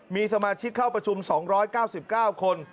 มีสมาชิกเข้าประชุม๒๙๙คน